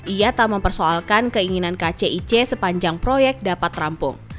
ia tak mempersoalkan keinginan kcic sepanjang proyek dapat rampung